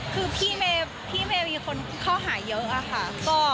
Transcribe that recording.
คือพี่เมย์มีคนเข้าหาเยอะอะค่ะ